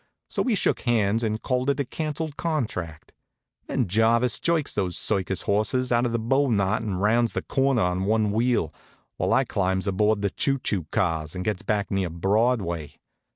So we shook hands and called it a canceled contract. Then Jarvis jerks those circus horses out of a bow knot and rounds the corner on one wheel, while I climbs aboard the choo choo cars and gets back near Broadway.